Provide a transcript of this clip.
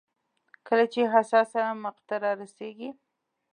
کله چې حساسه مقطعه رارسېږي.